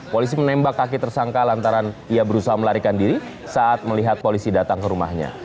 polisi menembak kaki tersangka lantaran ia berusaha melarikan diri saat melihat polisi datang ke rumahnya